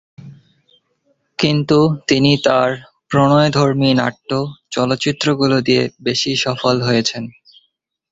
কিন্তু তিনি তার প্রণয়ধর্মী নাট্য চলচ্চিত্রগুলো দিয়ে বেশি সফল হয়েছেন।